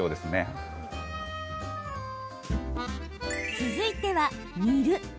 続いては、煮る。